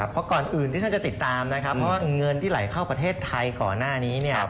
เพราะก่อนอื่นที่ท่านจะติดตามนะครับเพราะว่าเงินที่ไหลเข้าประเทศไทยก่อนหน้านี้เนี่ย